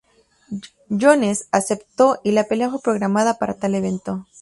Jones aceptó, y la pelea fue programada para tal evento.